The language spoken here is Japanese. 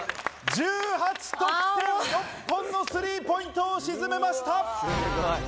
１８得点、６本のスリーポイントを沈めました。